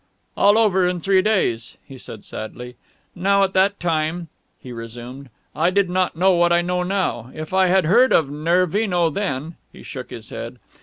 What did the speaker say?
"All over in three days," he said sadly. "Now at that time," he resumed, "I did not know what I know now. If I had heard of Nervino then...." He shook his head.